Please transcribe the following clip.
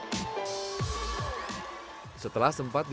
pembaikan milik jarum di perlindungan batchi maju